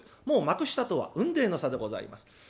もう幕下とは「雲泥の差」でございます。